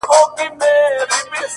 زه به هم داسي وكړم _